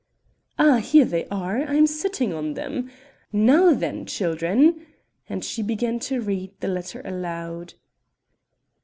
"Ah, here they are I am sitting on them now then, children," and she began to read the letter aloud.